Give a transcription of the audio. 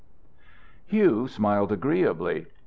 Hugh smiled agreeably.